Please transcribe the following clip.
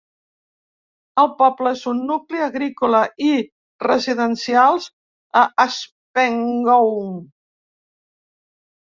El poble és un nucli agrícola i residencial a Haspengouw.